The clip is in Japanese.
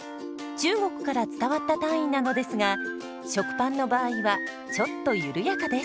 中国から伝わった単位なのですが食パンの場合はちょっと緩やかです。